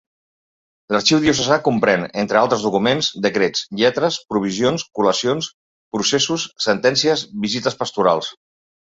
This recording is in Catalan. L'arxiu diocesà comprèn, entre altres documents, decrets, lletres, provisions, col·lacions, processos, sentències, visites pastorals.